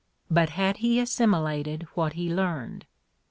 But had he assimilated what he learned?